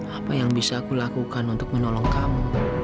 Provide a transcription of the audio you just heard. apa yang bisa aku lakukan untuk menolong kamu